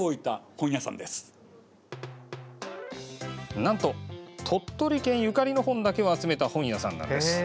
なんと、鳥取県ゆかりの本だけを集めた本屋さんなんです。